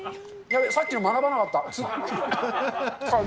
やばい、さっきの学ばなかった。